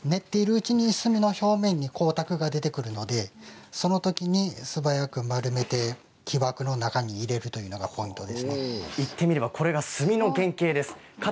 練っているうちに墨の表面に光沢が出てくるのでそのときに素早く丸めて木枠の中に入れるのが言って見ればこれが墨の原型です。